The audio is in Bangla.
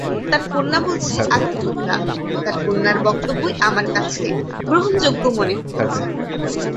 তার কন্যা বলছে আত্মহত্যা তাঁর কন্যার বক্তব্যই আমার কাছে গ্রহণযোগ্য মনে হয়েছে।